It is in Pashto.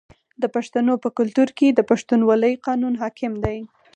د پښتنو په کلتور کې د پښتونولۍ قانون حاکم دی.